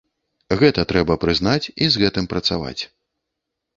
Гэта трэба прызнаць, і з гэтым працаваць.